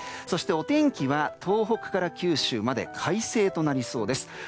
そして、お天気は東北から九州まで快晴となりそうです。